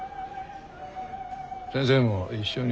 先生も一緒に。